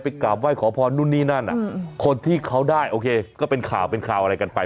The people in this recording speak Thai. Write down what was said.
กราบไหว้ขอพรนู่นนี่นั่นคนที่เขาได้โอเคก็เป็นข่าวเป็นข่าวอะไรกันไป